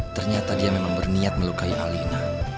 ternyata dia memang berniat melukai alina